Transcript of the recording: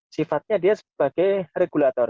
sifatnya dia sebagai regulator